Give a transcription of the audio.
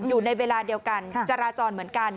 อยู่ในเวลาเดียวกันจราจรเหมือนกัน